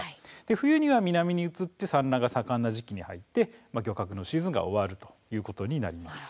冬には南に移って産卵が盛んな時期に入って漁獲シーズンが終わるということになります。